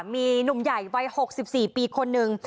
มีหนุ่มใหญ่วัย๖๔ปีคนนึง